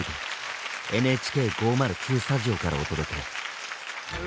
ＮＨＫ５０９スタジオからお届け！